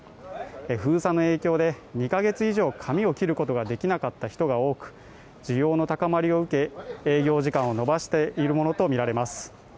封鎖の影響で２ヶ月以上髪を切ることができなかった人が多く需要の高まりを受け、営業時間を延ばしているものとみられます。